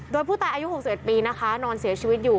โดยผู้ตายอายุหกสิบเอ็ดปีนะคะนอนเสียชีวิตอยู่